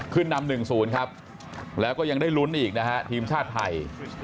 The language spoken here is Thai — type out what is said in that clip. ขึ้นนำ๑๐ครับแล้วก็ยังได้ลุ้นอีกนะฮะทีมชาติไทย